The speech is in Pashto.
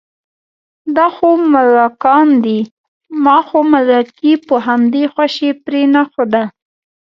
دا خو ملکان دي، ما خو ملکي په همدې خوشې پرېنښوده.